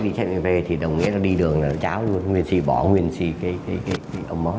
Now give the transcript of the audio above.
đi xét nghiệm hiv thì đồng nghĩa là đi đường là cháu luôn nguyễn sì bỏ nguyễn sì cái cái ông máu